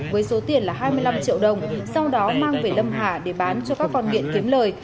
với số tiền là hai mươi năm triệu đồng sau đó mang về lâm hà để bán cho các con nghiện kiếm lời